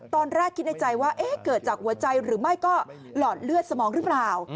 ตอนแรกคิดในใจว่าเกิดจากหัวใจหรือไม่ก็หลอดเลือดสมองหรือเปล่า